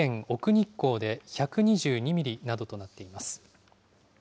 日光で１２２ミリなどとなっています。